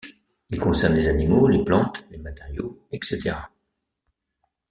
Il concerne les animaux, les plantes, les matériaux, etc.